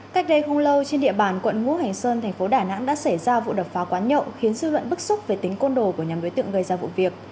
cách đây không lâu trên địa bàn quận ngũ hành sơn thành phố đà nẵng đã xảy ra vụ đập phá quán nhậu khiến dư luận bức xúc về tính côn đồ của nhóm đối tượng gây ra vụ việc